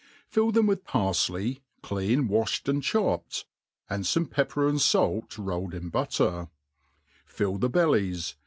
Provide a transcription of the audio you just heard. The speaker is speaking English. FILL them with parfley, clean wafhed ^nd chopped, ar^dl feme pepper and falc rolled in bqtter; fill the bellies